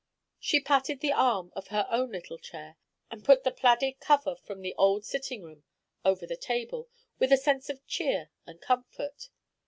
She patted the arm of her own little chair, and put the plaided cover from the old sitting room over the table, with a sense of cheer and comfort.